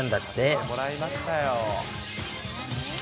聞いてもらいましたよ。